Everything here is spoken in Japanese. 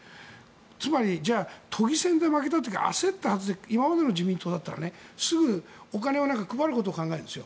つまり、都議選で負けた時焦ったはずで今までの自民党だったらすぐ、お金を配ることを考えるんですよ。